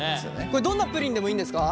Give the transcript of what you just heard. これどんなプリンでもいいんですか？